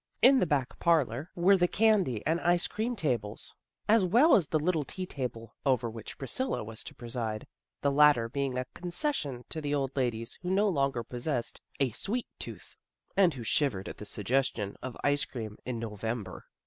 In the back parlor 104 THE GIRLS OF FRIENDLY TERRACE were the candy and ice cream tables, as well as the little tea table, over which Priscilla was to preside, the latter being a concession to the old ladies who no longer possessed a " sweet tooth," and who shivered at the suggestion of ice cream in November.